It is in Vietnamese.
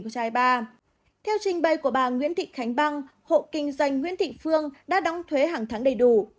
theo trình bày của bà nguyễn thị khánh băng hộ kinh doanh nguyễn thị phương đã đóng thuế hàng tháng đầy đủ